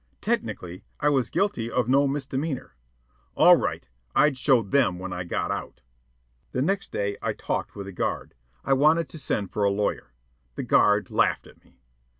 Technically I was guilty of no misdemeanor. All right, I'd show them when I got out. The next day I talked with a guard. I wanted to send for a lawyer. The guard laughed at me.